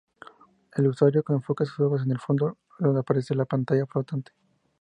El usuario enfoca sus ojos en el fondo, donde aparece la pantalla flotante.